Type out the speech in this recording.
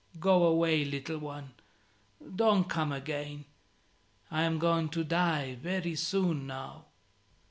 "Go away, little one, Don't come again: I am going to die very soon now."